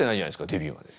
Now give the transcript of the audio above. デビューまで。